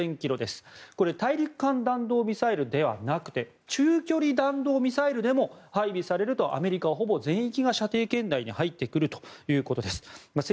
これは大陸間弾道ミサイルではなくて中距離弾道ミサイルでも配備されると、アメリカはほぼ全域が射程圏内に入ってくるということです。